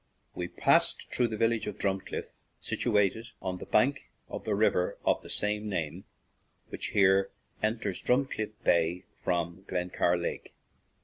We passed through the village of Drum clifT, situated on the bank of the river of the same name which here enters Drum cliff Bay from Glencar Lake.